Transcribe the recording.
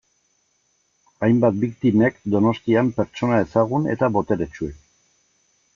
Hainbat biktimek Donostian pertsona ezagun eta boteretsuek.